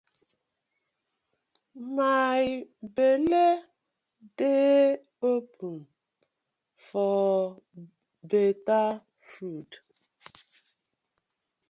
My belle dey open for betta food.